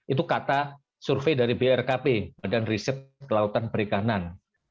itu kata survei dari brkp badan riset kelautan perikanan